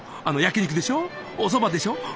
あの焼き肉でしょおそばでしょ。